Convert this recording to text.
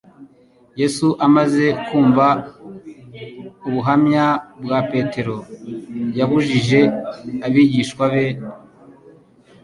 Yesu amaze kumva ubuhamya bwa Petero, yabujije abigishwa be